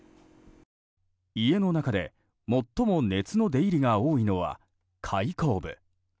家の中で最も熱の出入りが多いのは開口部。